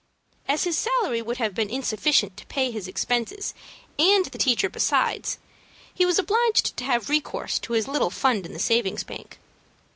As his salary would have been insufficient to pay his expenses and the teacher besides, he was obliged to have recourse to his little fund in the savings bank.